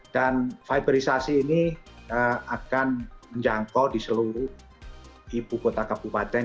dan fiberisasi ini akan menjangkau di seluruh ibu kota kabupaten